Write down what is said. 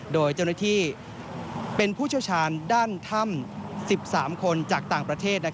โดยเจ้าหน้าที่เป็นผู้เชี่ยวชาญด้านถ้ำ๑๓คนจากต่างประเทศ